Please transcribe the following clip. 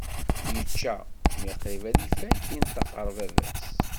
Yečča, mi qrib ad ifak, yenṭeq ɣer baba-s.